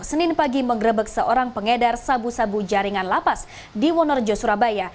senin pagi mengerebek seorang pengedar sabu sabu jaringan lapas di wonorejo surabaya